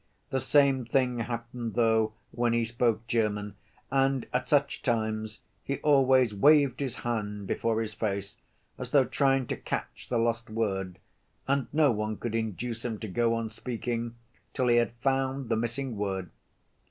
The same thing happened, though, when he spoke German, and at such times he always waved his hand before his face as though trying to catch the lost word, and no one could induce him to go on speaking till he had found the missing word.